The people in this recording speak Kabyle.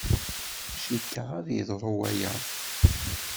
Cikkeɣ ad yeḍru waya.